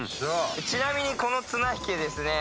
ちなみにこの綱引きですね